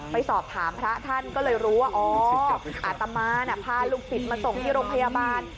ไปสอบถามพระท่านก็เลยรู้ว่าอ๋ออาตมาพาลูกศิษย์มาส่งที่โรงพยาบาล